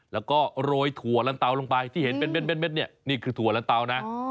แล้วก็โรยถั่วละเตาลงไปที่เห็นเม็ดนี่คือถั่วละเตานะ